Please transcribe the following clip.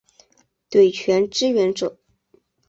对拳支援者